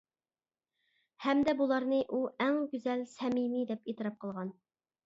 ھەمدە بۇلارنى ئۇ ئەڭ گۈزەل، سەمىمىي دەپ ئېتىراپ قىلغان.